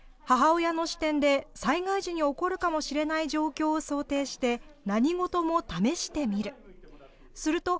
母親の視点で災害時に起こるかもしれない状況を想定して何事も試してみる。